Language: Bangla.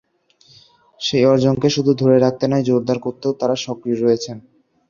সেই অর্জনকে শুধু ধরে রাখতে নয়, জোরদার করতেও তাঁরা সক্রিয় রয়েছেন।